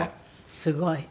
すごい。